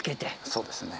そうですね。